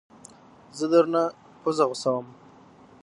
زه درنه پوزه غوڅوم